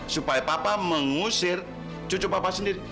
supaya papa mengusir cucu bapak sendiri